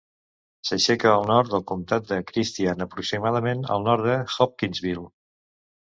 S'aixeca al nord del comtat de Christian, aproximadament al nord de Hopkinsville.